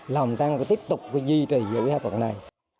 là hồng tăng tiếp tục duy trì giữ hà phận này